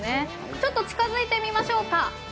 ちょっと近づいてみましょうか。